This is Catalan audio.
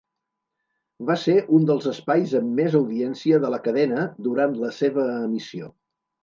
Va ser un dels espais amb més audiència de la cadena durant la seva emissió.